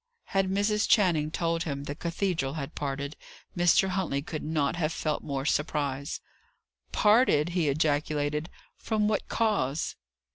Had Mrs. Channing told him the cathedral had parted, Mr. Huntley could not have felt more surprise. "Parted!" he ejaculated. "From what cause?"